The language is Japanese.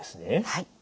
はい。